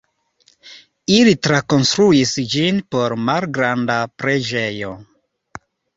Ili trakonstruis ĝin por malgranda preĝejo.